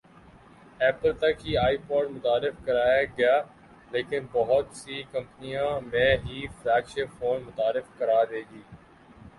apple تک ہی iPod متعارف کرائے گا لیکن بہت سی کمپنیاں میں ہی فلیگ شپ فون متعارف کرا دیں گی